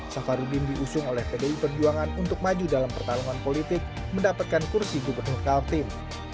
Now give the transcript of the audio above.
safarudin diusung oleh pdi perjuangan untuk maju dalam pertarungan politik mendapatkan kursi gubernur kaltim